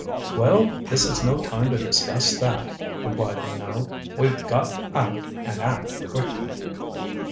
"Well this is no time to discuss that," replied Minot. "We've got to act, and act quickly!"